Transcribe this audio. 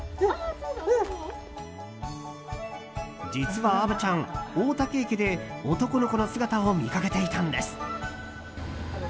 実は虻ちゃん、大多喜駅で男の子の姿を見かけていたんです。